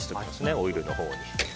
オイルのほうに。